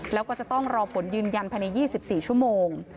แล้วก็จะต้องรอผลยืนยันภายใน๒๔ชั่วโมง